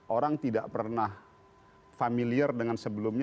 orang tidak pernah familiar dengan sebelumnya